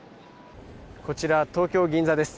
こちら、東京・銀座です。